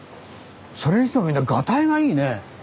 それにしてもみんながたいがいいね。